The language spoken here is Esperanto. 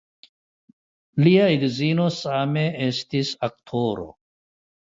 Lia edzino same estis aktoro.